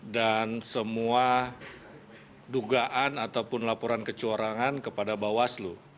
dan semua dugaan ataupun laporan kecurangan kepada bawaslu